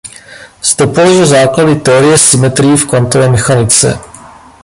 Zde položil základy teorie symetrií v kvantové mechanice.